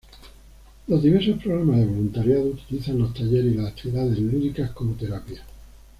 Los diversos programas de voluntariado utilizan los talleres y las actividades lúdicas como terapia.